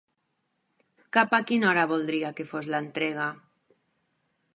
Cap a quina hora voldria que fos l'entrega?